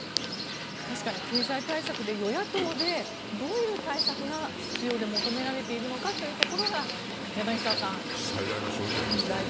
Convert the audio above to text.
確かに経済対策で与野党でどういう対策が必要で求められているのかというところが最大の焦点ですね。